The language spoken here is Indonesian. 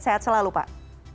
sehat selalu pak